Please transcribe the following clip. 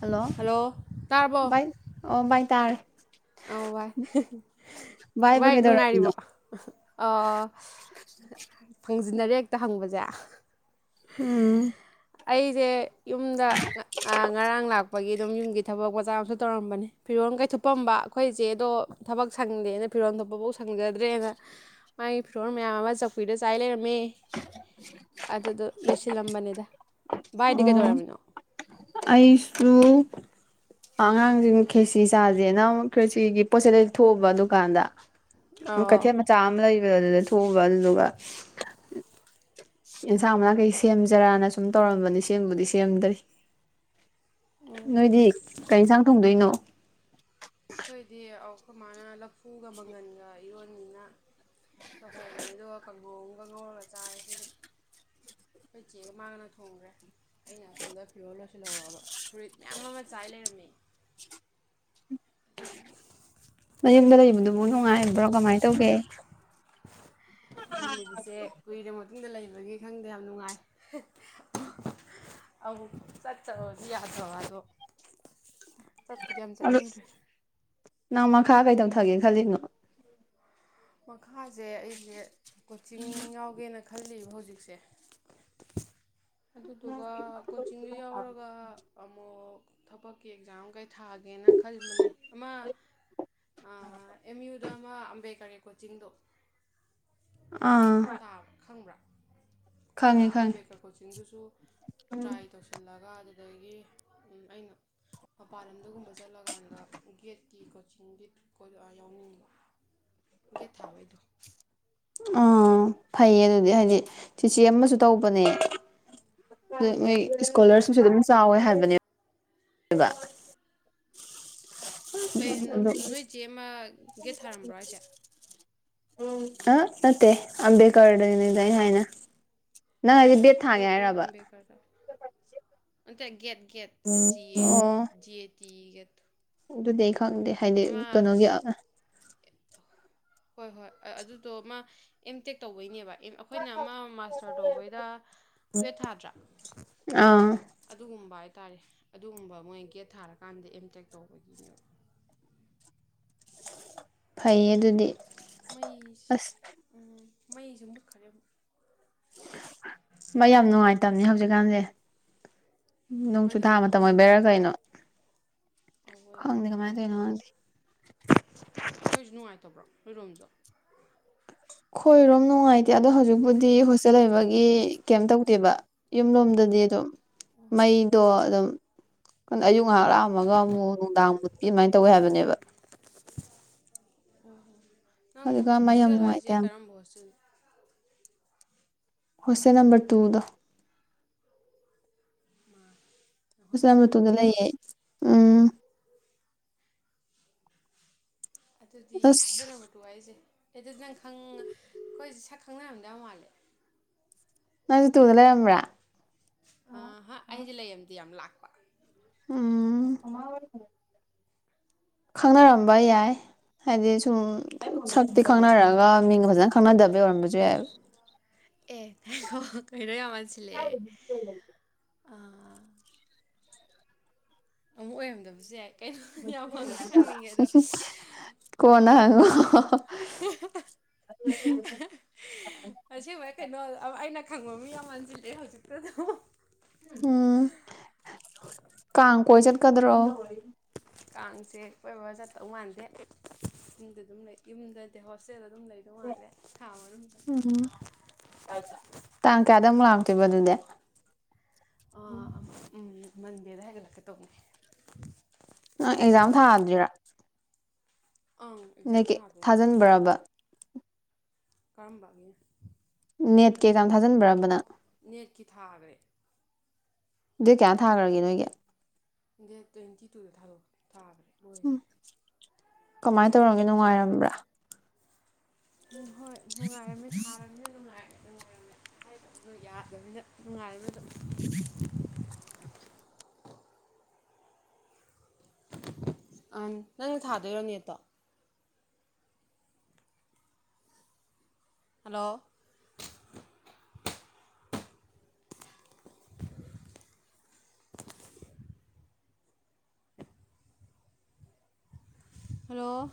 hello ꯚꯥꯏ ꯑꯣ ꯚꯥꯏ ꯇꯥꯔꯦ ꯎꯧ ꯚꯥꯏ ꯚꯥꯏꯕꯨ ꯚꯥꯏ ꯀꯩꯗꯧꯔꯝꯃꯤꯅꯣ ꯅꯨꯡꯉꯥꯏꯔꯤꯕꯣ ꯑꯣ ꯐꯪꯖꯤꯟꯅꯔꯦ ꯍꯦꯛꯇ ꯍꯪꯕꯁꯦ ꯎꯝ ꯑꯩꯁꯦ ꯌꯨꯝꯗ ꯉꯔꯥꯡ ꯂꯥꯛꯄꯒꯤ ꯑꯗꯨꯝ ꯌꯨꯝꯒꯤ ꯊꯕꯛ ꯖꯥ ꯇꯧꯔꯝꯕꯅꯤ ꯐꯤꯔꯣꯜ ꯀꯩꯊꯨꯞꯄꯝꯕ ꯑꯩꯈꯣꯏ ꯆꯦꯗꯣ ꯊꯕꯛ ꯁꯪꯗꯦꯅ ꯐꯤꯔꯣꯜ ꯊꯣꯛꯄꯐꯥꯎ ꯁꯪꯖꯗ꯭ꯔꯦꯅ ꯃꯥꯒꯤ ꯐꯤꯔꯣꯟ ꯃꯌꯥꯝ ꯑꯃ ꯆꯧ ꯐꯤꯗꯣ ꯆꯥꯏ ꯂꯩꯔꯝ ꯃꯦ ꯑꯗꯨꯗꯣ ꯂꯣꯏꯁꯤꯜꯂꯝꯕꯅꯤꯗ ꯚꯥꯏꯗꯤ ꯀꯩꯗꯧꯔꯝꯃꯤꯅꯣ ꯑꯩꯁꯨꯨ ꯑꯉꯥꯡꯁꯤꯡ ꯈꯦꯁꯤ ꯆꯥꯥꯁꯦꯅ ꯑꯃꯨꯛ ꯈꯦꯁꯤꯒꯤ ꯄꯣꯠꯆꯩ ꯂꯩ ꯊꯣꯛꯑꯨꯕ ꯗꯨꯀꯥꯟꯗ ꯑꯣ ꯀꯩꯊꯦꯜꯠ ꯃꯆꯥ ꯑꯃ ꯂꯩꯕ ꯑꯗꯨꯗ ꯊꯣꯛꯎꯕ ꯑꯗꯨꯗꯨꯒ ꯑꯦꯟꯁꯥꯡ ꯃꯅꯥꯈꯩ ꯁꯦꯝꯖꯔꯅ ꯁꯨꯝ ꯇꯧꯔꯝꯕꯅꯤ ꯁꯦꯝꯕꯨꯗꯤ ꯁꯦꯝꯗ꯭ꯔꯤ ꯅꯣꯏꯗꯤ ꯀꯔꯤ ꯏꯖꯥꯡ ꯊꯣꯡꯗꯣꯏꯅꯣ ꯑꯩꯈꯣꯏꯗꯤ ꯑꯩꯈꯣꯏ ꯃꯥꯅ ꯂꯐꯨꯒ ꯃꯪꯒꯟꯒ ꯏꯔꯣꯟꯅꯤꯅ ꯇꯧꯍꯧꯕꯅꯦ ꯑꯗꯨꯒ ꯀꯥꯡꯉꯧ ꯀꯥꯡꯪꯍꯧꯔꯒ ꯆꯥꯔꯁꯦꯅ ꯑꯩꯈꯣꯏ ꯆꯦꯒ ꯃꯥꯥꯡꯒꯅ ꯊꯣꯡꯈ꯭ꯔꯦ ꯑꯩꯅ ꯑꯁꯣꯝꯗ ꯐꯤꯔꯣꯜ ꯂꯣꯏꯁꯤꯜꯍꯧꯔꯑꯕ ꯐꯨꯔꯤꯠ ꯃꯌꯥꯝ ꯑꯃ ꯆꯥꯏ ꯂꯩꯔꯝꯃꯦ [inaudible] ꯑꯗꯨꯗꯨ ꯃꯌꯨꯝꯗ ꯂꯩꯕꯗꯨꯕꯨ ꯅꯨꯡꯉꯥꯏꯔꯤꯕ꯭ꯔꯣ ꯀꯃꯥꯏꯅ ꯇꯧꯒꯦ ꯌꯨꯝꯗ ꯂꯩꯕꯁꯦ ꯀꯨꯏꯔꯥ ꯃꯇꯨꯡ ꯑꯗꯨꯗꯒꯤ ꯈꯪꯗꯦ ꯌꯥꯝ ꯅꯨꯡꯉꯥꯏ ꯑꯃꯨꯛ ꯆꯠꯇꯕꯗꯤ ꯌꯥꯗ꯭ꯔꯕ ꯑꯗꯣ ꯆꯠꯄꯗꯤ ꯌꯥꯝ ꯑꯗꯣ ꯆꯠꯅꯤꯡꯗ꯭ꯔꯦ ꯅꯪ ꯃꯈꯥ ꯀꯩꯗꯧ ꯊꯝꯒꯦꯅ ꯈꯜꯂꯤꯅꯣ ꯃꯈꯥꯁꯦ ꯑꯩꯁꯦ ꯀꯣꯆꯤꯡ ꯌꯥꯎꯒꯦꯅ ꯈꯜꯂꯤꯕ ꯍꯧꯖꯤꯛ ꯍꯧꯖꯤꯛꯁꯦ ꯑꯗꯨꯗꯨꯒ ꯀꯣꯆꯤꯡꯗ ꯌꯥꯎꯔꯒ ꯑꯃꯨꯛ ꯊꯕꯛꯀꯤ ꯑꯦꯛꯖꯥꯝ ꯀꯩ ꯊꯥꯒꯦꯅ ꯈꯟꯕꯅꯦ ꯑꯃ ꯑ ꯑꯦꯝ ꯌꯨꯗ ꯑꯃ ꯑꯝꯕꯦꯀꯔ ꯀꯣꯆꯤꯡꯗꯣ ꯑꯥ ꯇꯥꯕ꯭ꯔꯥ ꯈꯪꯕ꯭ꯔꯥ ꯑ ꯈꯪꯉꯦ ꯈꯪꯉꯦ ꯑꯝꯕꯦꯗꯀꯔ ꯀꯣꯆꯤꯡꯗꯨꯁꯨ ꯇ꯭ꯔꯥꯏ ꯇꯧꯁꯤꯜꯂꯒ ꯑꯗꯒꯤ ꯑꯩꯅ ꯃꯄꯥꯟ ꯂꯝꯗꯒꯨꯝꯕ ꯆꯠꯂꯀꯥꯟꯗ ꯒꯦꯠꯀꯤ ꯀꯣꯆꯤꯡꯒꯤ ꯌꯥꯎꯅꯤꯡꯕ [inaudible] ꯒꯦꯠ ꯊꯥꯕꯩꯏꯗꯣ ꯑ ꯐꯩꯌꯦ ꯑꯗꯨꯗꯤ ꯍꯥꯏꯗꯤ ꯆꯤꯆꯦ ꯑꯃꯁꯨ ꯑꯗꯨ ꯇꯧꯕꯅꯦ ꯃꯣꯏ ꯑꯣ ꯏꯁꯀꯣꯂꯥꯔꯁꯤꯞꯁꯨ ꯑꯗꯨꯝ ꯆꯥꯎꯋꯦ ꯍꯥꯏꯕꯅꯦꯕ ꯑꯦ ꯑꯗꯣ ꯅꯣꯏ ꯆꯦ ꯑꯃ ꯒꯦꯠ ꯊꯥꯔꯝꯕ꯭ꯔꯣ ꯍꯥꯏꯁꯦ ꯎꯝ ꯑ ꯅꯠꯇꯦ ꯑꯝꯕꯦꯗꯀꯔꯗꯅꯦꯗ ꯑꯩ ꯍꯥꯏꯅ ꯅꯪ ꯍꯥꯏꯁꯤ ꯕꯦꯠ ꯑꯣ ꯊꯥꯒꯦ ꯑꯣ ꯍꯥꯏꯔꯕ ꯑꯝꯕꯦꯗꯀꯔꯗ ꯅꯠꯇꯦ ꯒꯦꯠ ꯒꯦꯠ ꯑꯣ ꯖꯤ ꯑꯦ ꯇꯤ ꯏ ꯑꯗꯨꯗꯤ ꯑꯩ ꯈꯪꯗꯦ ꯍꯥꯏꯗꯤ ꯀꯩꯅꯣꯒꯤ ꯍꯣꯏ ꯍꯣꯏ ꯑꯗꯨꯗꯣ ꯃꯥ ꯑꯦꯝꯇꯦꯛ ꯇꯧꯕꯩꯅꯦꯕ ꯑꯩꯈꯣꯏꯅ ꯑꯃ ꯃꯥꯁꯇꯔ ꯇꯧꯕꯩꯗ ꯀ꯭ꯋꯦꯠ ꯊꯥꯗ꯭ꯔꯥ ꯑꯥ ꯍꯥꯏ ꯇꯔꯦ ꯑꯗꯨꯒꯨꯝꯕ ꯃꯣꯏ ꯒꯦꯠ ꯊꯥꯔꯀꯥꯟꯗ ꯑꯦꯝꯇꯦꯛ ꯇꯧꯕꯒꯤꯅꯦꯕ ꯐꯩꯌꯦ ꯑꯗꯨꯗꯤ ꯃꯩꯁꯤ ꯑꯁ ꯃꯩꯁꯦ ꯃꯨꯠꯈ꯭ꯔꯦ ꯑꯃꯨꯛ ꯃꯩ ꯌꯥꯝ ꯅꯨꯡꯉꯥꯏꯇꯕꯅꯤ ꯍꯧꯖꯤꯛꯀꯥꯟꯁꯦ ꯅꯣꯡꯆꯨ ꯊꯥ ꯃꯇꯝ ꯑꯣꯏꯕꯩꯔꯥ ꯀꯩꯅꯣ ꯑꯥ ꯍꯣꯏ ꯈꯪꯗꯦ ꯀꯃꯥꯏꯅ ꯇꯧꯔꯤꯅꯣ ꯅꯨꯡꯉꯥꯏꯇꯦ ꯈꯪꯗꯦ ꯅꯣꯏꯁꯨ ꯅꯨꯡꯉꯥꯏꯇꯕ꯭ꯔꯣ ꯅꯣꯢꯔꯣꯝꯖꯨ ꯈꯣꯏꯔꯣꯝ ꯅꯨꯡꯉꯥꯏꯇꯦ ꯑꯗꯣ ꯍꯧꯖꯤꯛꯄꯨꯗꯤ ꯍꯣꯁꯇꯦꯜ ꯂꯩꯕꯒꯤ ꯀꯩ ꯇꯧꯗꯦꯕ ꯌꯨꯝ ꯂꯣꯝꯗꯗꯤ ꯑꯦꯗꯨꯝ ꯃꯩꯗꯣ ꯑꯗꯨꯝ ꯑꯌꯨꯛ ꯉꯥꯏꯍꯥꯛ ꯂꯥꯛꯑꯝꯃꯒ ꯑꯃꯨꯛ ꯅꯨꯡꯗꯥꯡ ꯃꯨꯠꯀꯤ ꯑꯗꯨꯃꯥꯏꯅ ꯇꯧꯋꯦ ꯍꯥꯏꯕꯅꯦꯕ ꯅꯪ ꯍꯧꯖꯤꯛꯀꯥꯟ ꯃꯥ ꯌꯥꯝ ꯍꯣꯁꯇꯦꯜ ꯅꯨꯡꯉꯥꯏꯇꯦ ꯍꯥꯏꯁꯦ ꯌꯥꯝ ꯀꯔꯝꯕ ꯍꯣꯁꯇꯦꯜ ꯍꯣꯁꯇꯦꯜ ꯅꯝꯕꯔ ꯇꯨꯗꯣ ꯍꯣꯁꯇꯦꯜ ꯅꯝꯕꯔ ꯇꯨꯗ ꯂꯩꯌꯦ ꯎꯝ ꯑꯗꯨꯗꯤ ꯑꯁ ꯍꯣꯁꯇꯦꯜ ꯅꯝꯕꯔ ꯇꯨ ꯍꯥꯏꯔꯤꯁꯦ ꯑꯗꯨꯗꯤ ꯅꯪ ꯈꯪ ꯑꯩꯈꯣꯏꯁꯦ ꯁꯛ ꯈꯪꯅꯔꯝꯗꯧ ꯌꯥꯝ ꯃꯥꯜꯂꯦ ꯅꯪꯁꯨ ꯇꯨꯗ ꯂꯩꯔꯝꯕ꯭ꯔꯥ ꯑꯥ ꯍꯥ ꯑꯩꯖꯤ ꯂꯩꯔꯝꯗꯦ ꯌꯥꯝ ꯂꯥꯛ ꯎꯝ ꯈꯪꯅꯔꯝꯕ ꯌꯥꯏ ꯍꯥꯏꯗꯤ ꯁꯨꯝ ꯁꯛꯇꯤ ꯈꯪꯅꯔꯛꯑꯒ ꯃꯤꯡꯒ ꯐꯖꯅ ꯈꯪꯅꯗꯕ ꯑꯣꯏꯔꯝꯕꯁꯨ ꯌꯥꯏꯑꯦꯕ ꯑꯦ ꯉꯥꯏꯈꯣ ꯀꯩꯅꯣ ꯌꯥꯝ ꯃꯥꯟꯁꯤꯜꯂꯛꯑꯦ ꯑꯥ ꯑꯃꯨꯛ ꯑꯣꯏꯔꯝꯗꯕꯁꯨ ꯌꯥꯏ ꯀꯩꯅꯣ ꯌꯥꯝ ꯍꯪꯗꯤ ꯍꯪꯅꯤꯡꯉꯦ ꯑꯗꯣ ꯀꯣꯟꯅ ꯍꯪꯉꯣ ꯍꯪꯕꯕꯨꯗꯤ ꯌꯥꯢ ꯍꯥ ꯍꯥ ꯍꯥ ꯍꯤ ꯑꯍ ꯑꯁꯦꯡꯕꯩꯔ ꯀꯩꯅꯣ ꯑꯩꯅ ꯈꯪ ꯈꯪꯕ ꯃꯤ ꯌꯥꯝ ꯃꯥꯟꯖꯤꯜꯂꯛꯑ ꯍꯧꯖꯤꯛꯇꯗ ꯍꯨ ꯍꯨꯍꯨ ꯎꯝ ꯀꯥꯡ ꯀꯣꯏ ꯆꯠꯀꯗ꯭ꯔꯣ ꯀꯥꯡꯁꯦ ꯀꯣꯏꯕ ꯆꯠꯇꯧ ꯃꯥꯟꯗꯦ ꯌꯨꯝꯗ ꯑꯗꯨꯝ ꯂꯩ ꯌꯨꯝꯗꯗꯤ ꯍꯣꯁꯇꯦꯜꯗ ꯗꯨꯝ ꯂꯩꯗꯧ ꯃꯥꯜꯂꯦ ꯊꯥ ꯑꯃꯔꯣꯝ ꯎꯝ ꯁꯤꯗꯃꯨꯛ ꯂꯥꯛꯇꯣꯏꯕ ꯑꯗꯨꯗꯤ ꯑꯥ ꯎꯝ ꯃꯟꯗꯦꯗ ꯍꯥꯏꯒꯠꯂꯛꯀꯦ ꯇꯧꯕꯅꯤ ꯅꯪ ꯑꯦꯛꯖꯥꯝ ꯊꯥꯗ꯭ꯔꯤꯔꯥ ꯑꯪ ꯑꯦꯛꯖꯥꯝ ꯅꯦꯠꯀꯤ ꯊꯥꯖꯤꯟꯕ꯭ꯔꯕ ꯀꯔꯝꯕ ꯅꯦꯠ ꯀꯩꯀꯥ ꯊꯥꯖꯤꯟꯕ꯭ꯔꯕ ꯅꯪ ꯅꯦꯠꯀꯤ ꯊꯥꯈ꯭ꯔꯦ ꯗꯦꯠ ꯀꯌꯥꯗ ꯊꯥꯈ꯭ꯔꯒꯦ ꯅꯣꯏꯒꯤ ꯗꯦꯠ ꯇ꯭ꯋꯦꯟꯇꯤ ꯗ ꯊꯥꯗꯣꯛꯈ꯭ꯔꯦ ꯎꯝ ꯀꯃꯥꯏꯅ ꯇꯧꯔꯒꯦ ꯅꯨꯡꯉꯥꯏꯔꯝꯕ꯭ꯔꯥ ꯍꯣꯏ ꯅꯨꯡꯉꯥꯏꯔꯝꯃꯤ ꯊꯥꯔꯝꯅꯤꯅ ꯅꯨꯡꯉꯥꯏ ꯅꯨꯡꯉꯥꯏꯔꯝꯃꯦ [unintelligible] ꯍꯥꯏꯗꯕꯗꯣ ꯌꯥꯗꯕꯅꯤꯅ ꯅꯨꯡꯉꯥꯏꯔꯝꯃꯦ ꯗꯨꯝ [inaudible] ꯑꯪ ꯅꯪꯖꯨ ꯊꯥꯗꯣꯏꯔꯣ ꯅꯦꯠꯇꯣ ꯍꯜꯂꯣ ꯍꯜꯂꯣ